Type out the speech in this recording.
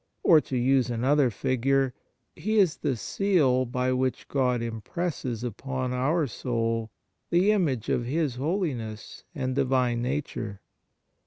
Or, to use another figure, He is the seal by which God impresses upon our soul the image of His holiness and Divine Nature.